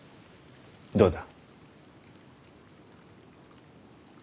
．どうだ？